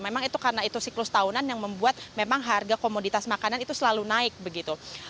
memang itu karena itu siklus tahunan yang membuat memang harga komoditas makanan itu selalu naik begitu